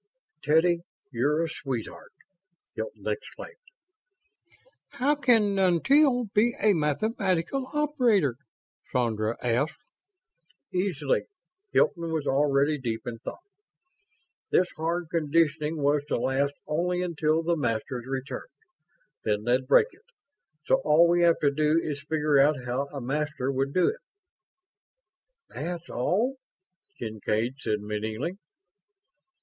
"Teddy, you're a sweetheart!" Hilton exclaimed. "How can 'until' be a mathematical operator?" Sandra asked. "Easily." Hilton was already deep in thought. "This hard conditioning was to last only until the Masters returned. Then they'd break it. So all we have to do is figure out how a Master would do it." "That's all," Kincaid said, meaningly.